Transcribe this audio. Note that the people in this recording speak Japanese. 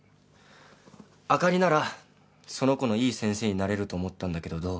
あかりならその子のいい先生になれると思ったんだけど。